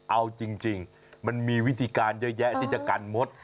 เอาจริงมันมีวิธีการเยอะแยะที่จะกันมด